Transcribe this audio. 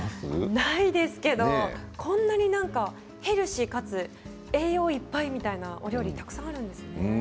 ないですけれどこんなにヘルシーかつ栄養いっぱいのお料理たくさんあるんですね。